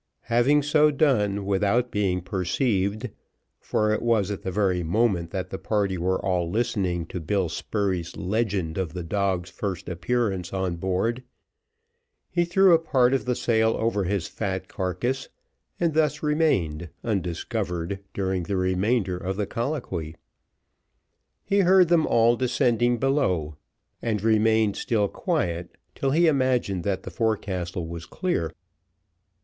Having so done without being perceived, for it was at the very moment that the party were all listening to Bill Spurey's legend of the dog's first appearance on board, he threw a part of the sail over his fat carcass, and thus remained undiscovered during the remainder of the colloquy. He heard them all descending below, and remained still quiet, till he imagined that the forecastle was clear.